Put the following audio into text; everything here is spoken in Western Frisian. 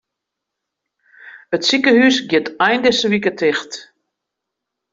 It sikehús giet ein dizze wike ticht.